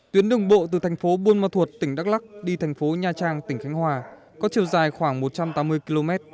tuyến đường bộ từ thành phố buôn ma thuột tỉnh đắk lắc đi thành phố nha trang tỉnh khánh hòa có chiều dài khoảng một trăm tám mươi km